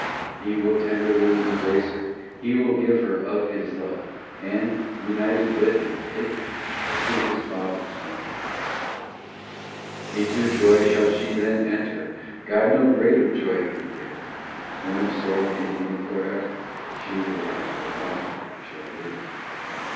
xv He will tenderly embrace her, He will give her of His love, And, united with Him, take her, To His Father s home above. XVI Into joy shall she then enter : God no greater joy can give ; When absorbed in Him for ever She the life of God shall live.